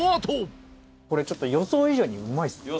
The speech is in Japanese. これちょっと予想以上にうまいです。